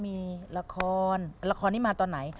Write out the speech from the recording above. มีละครละครนี้มาตอนไหน